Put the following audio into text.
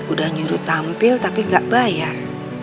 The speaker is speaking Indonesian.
udah nyuruh tampil tapi nggak bayar